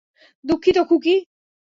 দুঃখিত, খুকি।